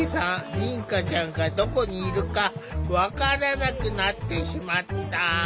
凛花ちゃんがどこにいるか分からなくなってしまった。